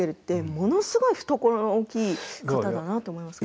ものすごい懐の大きい方だと思いますね。